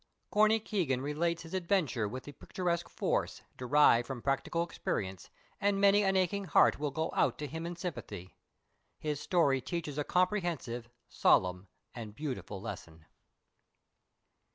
Corney Keegan relates his adventure with the picturesque force, derived from practical experience, and many an aching heart will go out to him in sympathy. His story teaches a comprehensive, solemn, and beautiful lesson.